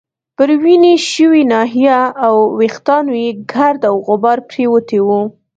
پر وینې شوې ناحیه او وریښتانو يې ګرد او غبار پرېوتی وو.